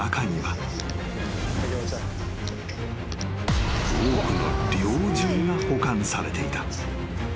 ［多くの猟銃が保管されていた］